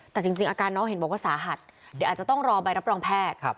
แต่จริงอาการน้องเห็นบอกว่าสาหัสเดี๋ยวอาจจะต้องรอใบรับรองแพทย์